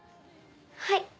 はい。